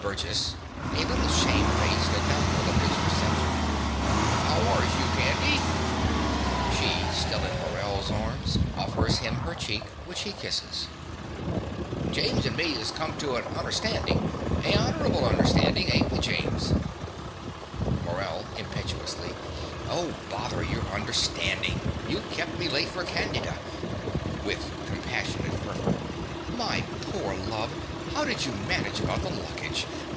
BURGESS (a little shamefaced and doubtful of his reception). How ors you, Candy? (She, still in Morell's arms, offers him her cheek, which he kisses.) James and me is come to a unnerstandin' a honourable unnerstandin'. Ain' we, James? MORELL (impetuously). Oh, bother your understanding! You've kept me late for Candida. (With compassionate fervor.) My poor love: how did you manage about the luggage?